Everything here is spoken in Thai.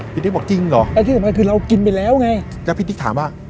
ติ๊กบอกจริงเหรอแล้วที่สำคัญคือเรากินไปแล้วไงแล้วพี่ติ๊กถามว่า